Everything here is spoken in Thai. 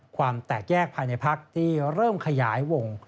ความแตกแยกภายในพักที่เริ่มขยายวง